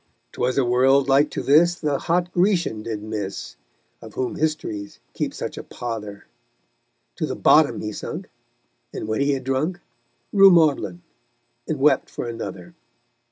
'Twas a world like to this The hot Grecian did miss, Of whom histories keep such a pother; To the bottom he sunk, And when he had drunk, Grew maudlin, and wept for another_.